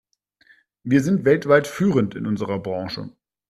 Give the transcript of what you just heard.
Wir sind weltweit führend in unserer Branche.